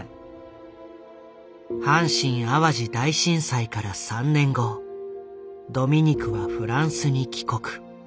阪神淡路大震災から３年後ドミニクはフランスに帰国。